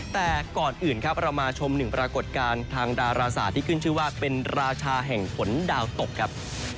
แต่ก่อนอื่นครับเรามาชมหนึ่งปรากฏการณ์ทางดาราศาสตร์ที่ขึ้นชื่อว่าเป็นราชาแห่งฝนดาวตกครับ